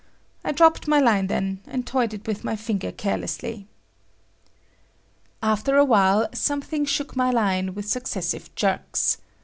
I dropped my line then, and toyed it with my finger carelessly. After a while something shook my line with successive jerks.